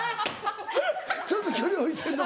ちょっと距離を置いてるの。